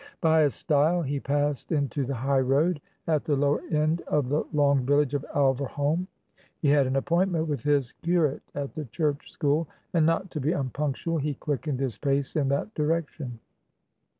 By a stile he passed into the highroad, at the lower end of the long village of Alverholme. He had an appointment with his curate at the church school, and, not to be unpunctual, he quickened his pace in that direction.